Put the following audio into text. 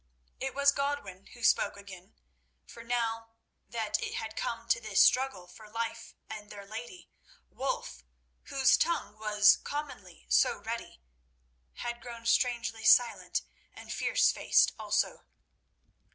It was Godwin who spoke again, for now that it had come to this struggle for life and their lady, Wulf, whose tongue was commonly so ready, had grown strangely silent, and fierce faced also.